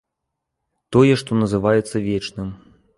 Тое, што называецца вечным.